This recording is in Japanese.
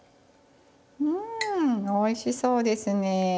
うんおいしそうですね。